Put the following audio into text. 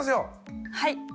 はい。